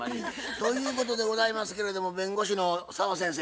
ということでございますけれども弁護士の澤先生